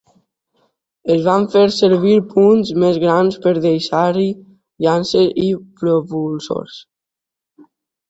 Es van fer servir punts més grans per deixar-hi llances i propulsors.